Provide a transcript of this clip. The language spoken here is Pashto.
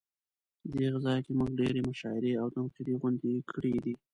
دغه ځای کې مونږ ډېرې مشاعرې او تنقیدي غونډې کړې دي.